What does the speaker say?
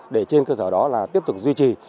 để trên cơ sở đó là tiếp tục duy trì